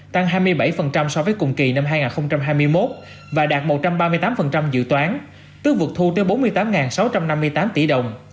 tăng hai mươi bảy so với cùng kỳ năm hai nghìn hai mươi một và đạt một trăm ba mươi tám dự toán tước vượt thu tới bốn mươi tám sáu trăm năm mươi tám tỷ đồng